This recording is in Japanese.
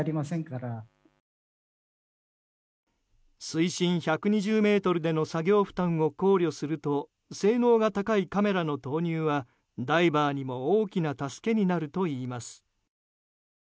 水深１２０ｍでの作業負担を考慮すると性能が高いカメラの投入はダイバーにも大きな助けになるといいます。